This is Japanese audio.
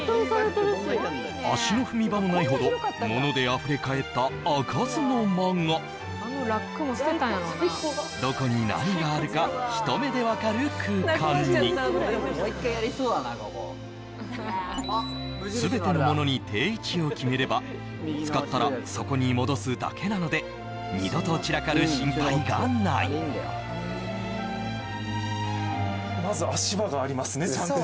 足の踏み場もないほどモノであふれかえった開かずの間がどこに何があるか一目で分かる空間に全てのモノに定位置を決めれば使ったらそこに戻すだけなので二度と散らかる心配がないちゃんと